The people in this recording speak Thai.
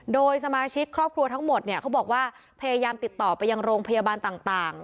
โดยสมาชิกครอบครัวทั้งหมดเนี่ยเขาบอกว่าพยายามติดต่อไปยังโรงพยาบาลต่าง